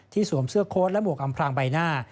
สวมเสื้อโค้ดและหมวกอำพลางใบหน้า